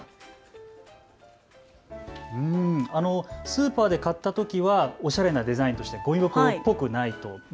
スーパーで買ったときはおしゃれなデザイン、ごみ袋っぽくない。